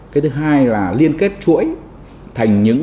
cái thứ hai là liên kết chuỗi thành những